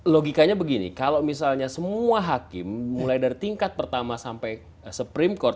logikanya begini kalau misalnya semua hakim mulai dari tingkat pertama sampai supreme court